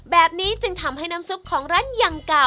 แบบนี้จึงทำให้น้ำซุปของร้านยังเก่า